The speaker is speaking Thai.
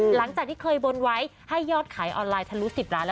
หลังจากที่เคยบนไว้ให้ยอดขายออนไลน์ทะลุ๑๐ล้านแล้ว